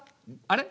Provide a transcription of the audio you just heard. あれ？